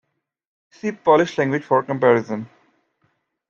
See Polish language for comparison.